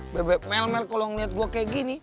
bebek melmel kalo ngeliat gue kayak gini